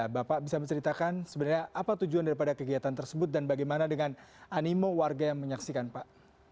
bapak bisa menceritakan sebenarnya apa tujuan daripada kegiatan tersebut dan bagaimana dengan animo warga yang menyaksikan pak